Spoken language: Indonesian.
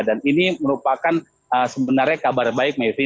dan ini merupakan sebenarnya kabar baik mayuri